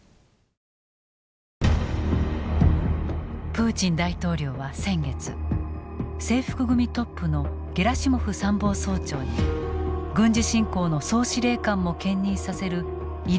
プーチン大統領は先月制服組トップのゲラシモフ参謀総長に軍事侵攻の総司令官も兼任させる異例の人事を断行。